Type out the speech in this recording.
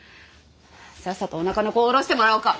さっさとおなかの子を堕ろしてもらおうか。